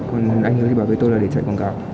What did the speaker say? còn anh hữu thì bảo với tôi là để chạy quảng cáo